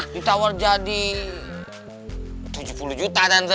ditawar jadi tujuh puluh juta